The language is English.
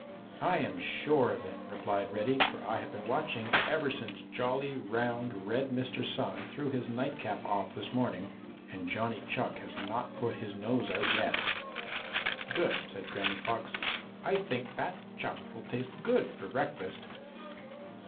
"I am sure of it," replied Reddy, "for I have been watching ever since jolly, round, red Mr. Sun threw his nightcap off this morning, and Johnny Chuck has not put his nose out yet." "Good," said Granny Fox, "I think fat Chuck will taste good for breakfast."